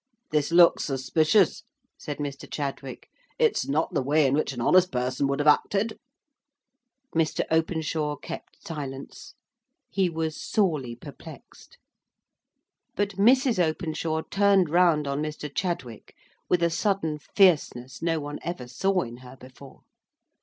"This looks suspicious," said Mr. Chadwick. "It is not the way in which an honest person would have acted." Mr. Openshaw kept silence. He was sorely perplexed. But Mrs. Openshaw turned round on Mr. Chadwick with a sudden fierceness no one ever saw in her before.